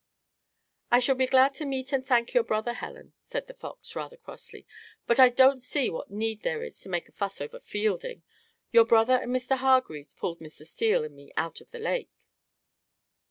"I shall be glad to meet and thank your brother, Helen," said The Fox, rather crossly. "But I don't see what need there is to make a fuss over Fielding. Your brother and Mr. Hargreaves pulled Mr. Steele and me out or the lake."